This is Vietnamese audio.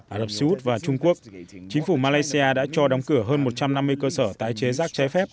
ả rập xê út và trung quốc chính phủ malaysia đã cho đóng cửa hơn một trăm năm mươi cơ sở tái chế rác trái phép